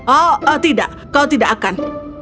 oh tidak kau tidak akan